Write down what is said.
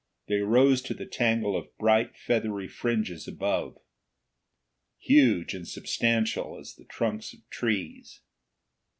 They rose to the tangle of bright feathery fringes above, huge and substantial as the trunks of trees.